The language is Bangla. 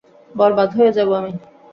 বরবাদ হয়ে যাব আমি।